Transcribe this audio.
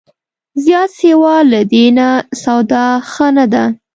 زیات سیوا له دې نه، سودا ښه نه ده